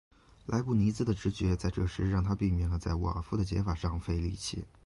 莱布尼兹的直觉在这时让他避免了在沃尔夫的解法上费力气。